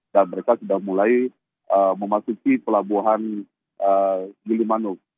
dan mereka sudah mulai memasuki pelabuhan gili manuk